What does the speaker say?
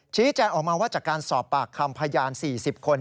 แจ้งออกมาว่าจากการสอบปากคำพยาน๔๐คน